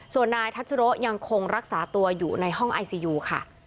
ส่วนนายทัชโรยังคงรักษาตัวอยู่ในห้องไอซียูค่ะ